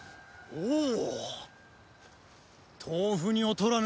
おお！